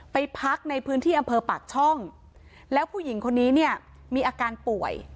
ไปพักในพื้นที่อำเภอปากช่องแล้วผู้หญิงคนนี้เนี่ยมีอาการป่วย